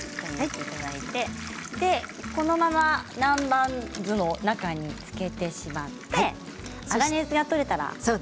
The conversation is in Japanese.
このまま南蛮酢の中に漬けてしまって粗熱が取れたら。